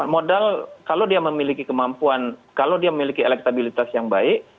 modal kalau dia memiliki kemampuan kalau dia memiliki elektabilitas yang baik